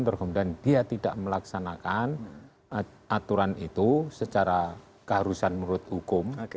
terus kemudian dia tidak melaksanakan aturan itu secara keharusan menurut hukum